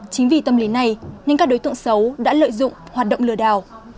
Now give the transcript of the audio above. chính vì tâm lý này nên các đối tượng xấu đã lợi dụng hoạt động lừa đảo